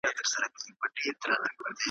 زما په یاد دي څرخېدلي بې حسابه قلمونه `